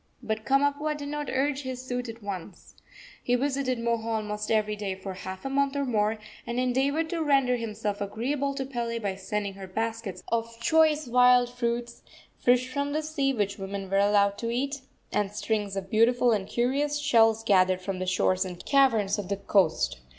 But Kamapuaa did not urge his suit at once. He visited Moho almost every day for half a month or more, and endeavored to render himself agreeable to Pele by sending her baskets of choice wild fruits, fish from the sea which women were allowed to eat, and strings of beautiful and curious shells gathered from the shores and caverns of the coast.